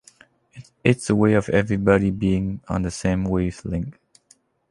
It's a way of everybody being on the same wavelength.